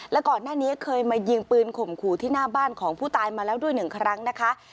และก่อนหน้านี้เคยมายิงปืนข่มขู่ที่หน้าบ้านของผู้ตายมาแล้วด้วยหนึ่งครั้งนะคะ